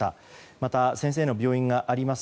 また、先生の病院があります